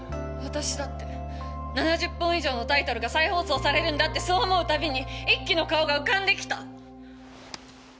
私だって７０本以上のタイトルが再放送されるんだってそう思う度にイッキの顔が浮かんできた。